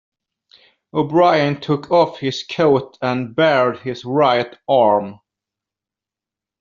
O'Brien took off his coat and bared his right arm.